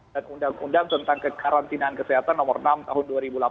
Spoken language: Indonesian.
dan undang undang tentang kekarantinaan kesehatan nomor enam tahun dua ribu delapan belas